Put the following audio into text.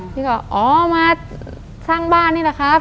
พี่ก็อ๋อมาสร้างบ้านนี่แหละครับ